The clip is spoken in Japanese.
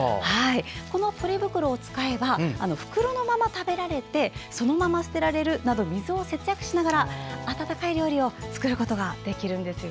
ポリ袋を使えば袋のまま食べられてそのまま捨てられるなど水を節約しながら温かい料理を作ることができるんです。